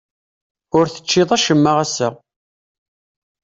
Ur teččiḍ acemma ass-a?